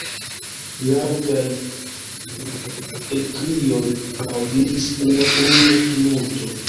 Laŭtaj ekkrioj aŭdiĝis en la komuna tumulto.